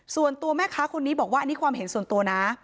ส่วนตัวแม่ค้าคนนี้บอกว่าอันนี้ความเห็นส่วนตัวนะ